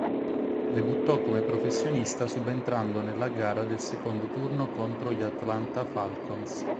Debuttò come professionista subentrando nella gara del secondo turno contro gli Atlanta Falcons.